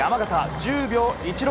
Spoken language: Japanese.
１０秒１６。